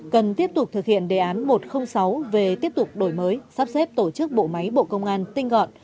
cần tiếp tục thực hiện đề án một trăm linh sáu về tiếp tục đổi mới sắp xếp tổ chức bộ máy bộ công an tinh gọn